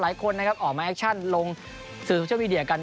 หลายคนนะครับออกมาแอคชั่นลงสื่อโซเชียลมีเดียกัน